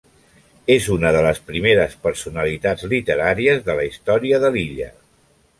És una de les primeres personalitats literàries de la història de l'illa.